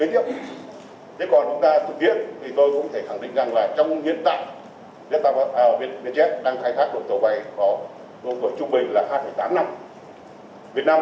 tiếp theo nếu còn chúng ta thực hiện thì tôi cũng thể khẳng định rằng là trong hiện tại vietjet đang khai thác đội tàu bay có tuổi trung bình là hai tám năm